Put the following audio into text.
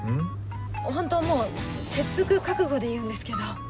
ホントもう切腹覚悟で言うんですけど。